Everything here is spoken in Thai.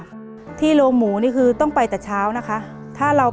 เปลี่ยนเพลงเพลงเก่งของคุณและข้ามผิดได้๑คำ